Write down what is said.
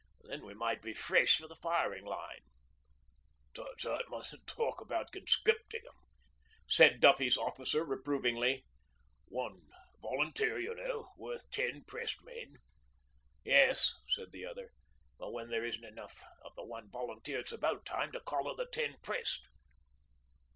Then we might be fresh for the firing line.' 'Tut, tut mustn't talk about conscripting 'em,' said Duffy's officer reprovingly. 'One volunteer, y'know worth ten pressed men.' 'Yes,' said the other, 'but when there isn't enough of the "one volunteer" it's about time to collar the ten pressed.'